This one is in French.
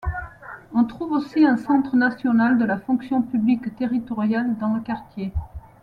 On trouve aussi un centre national de la fonction publique territoriale dans le quartier.